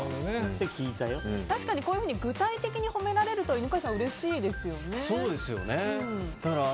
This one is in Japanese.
確かに、こういうふうに具体的に褒められるとそうですよね。